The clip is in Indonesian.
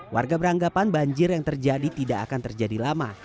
warga beranggapan banjir yang terjadi tidak akan terjadi lama